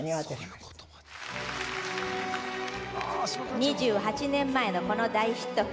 ２８年前のこの大ヒット曲。